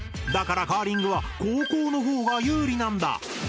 だからカーリングは後攻の方が有利なんだ。